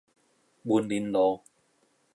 文林路